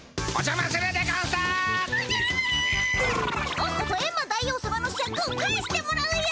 今日こそエンマ大王様のシャクを返してもらうよ！